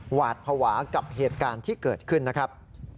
หวาดภาวะกับเหตุการณ์ที่เกิดขึ้นนะครับ